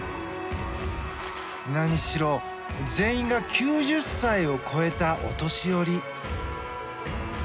何しろ、全員が９０歳を超えたお年寄り。